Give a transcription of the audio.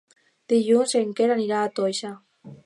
Dilluns en Quer anirà a Toixa.